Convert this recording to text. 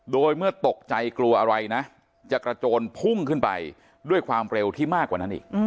โดยเมื่อตกใจกลัวอะไรนะจะกระโจนพุ่งขึ้นไปด้วยความเร็วที่มากกว่านั้นอีก